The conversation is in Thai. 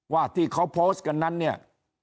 ว่าที่เขาโพสต์กันนั้นเนี่ย